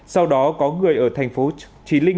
sau đó có người ở tp chí linh